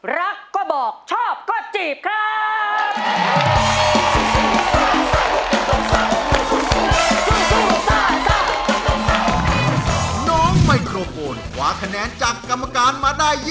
รักก็บอกชอบก็จีบครับ